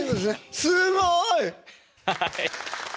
すごい！